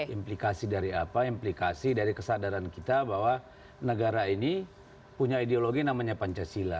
implikasi dari apa implikasi dari kesadaran kita bahwa negara ini punya ideologi namanya pancasila